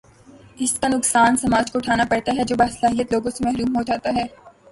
اس کا نقصان سماج کو اٹھا نا پڑتا ہے جو باصلاحیت لوگوں سے محروم ہو جا تا ہے۔